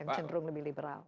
yang cenderung lebih liberal